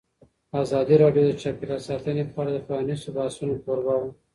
ازادي راډیو د چاپیریال ساتنه په اړه د پرانیستو بحثونو کوربه وه.